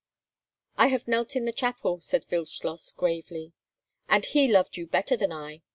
"I have knelt in the chapel," said Wildschloss, gravely. "And he loved you better than I!"